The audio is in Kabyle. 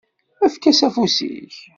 Efk-as afus-ik.